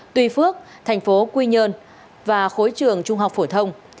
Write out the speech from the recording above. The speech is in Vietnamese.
tuy phước thành phố quy nhơn và khối trường trung học phổ thông